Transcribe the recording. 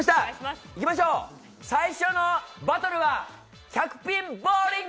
いきましょう、最初のバトルは１００ピンボウリング。